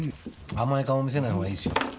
甘い顔見せないほうがいいですよ。